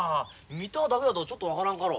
見ただけやとちょっと分からんかろ。